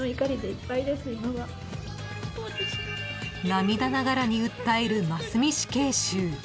［涙ながらに訴える真須美死刑囚］